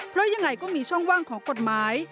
เพราะยังไงก็มีช่องว่างของกฎหมาย